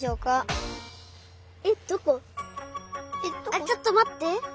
あっちょっとまって。